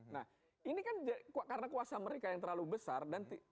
nah ini kan karena kuasa mereka yang terlalu besar